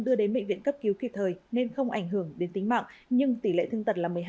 đưa đến bệnh viện cấp cứu kịp thời nên không ảnh hưởng đến tính mạng nhưng tỷ lệ thương tật là một mươi hai